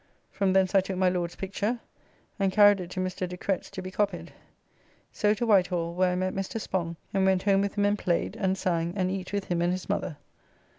From thence I took my Lord's picture, and carried it to Mr. de Cretz to be copied. So to White Hall, where I met Mr. Spong, and went home with him and played, and sang, and eat with him and his mother.